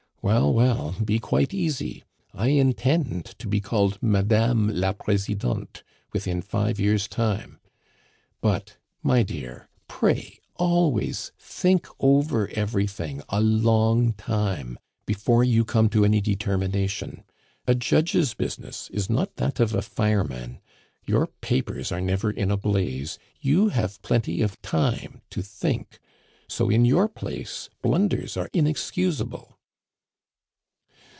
"Well, well, be quite easy! I intend to be called Madame la Presidente within five years' time. But, my dear, pray always think over everything a long time before you come to any determination. A judge's business is not that of a fireman; your papers are never in a blaze, you have plenty of time to think; so in your place blunders are inexcusable."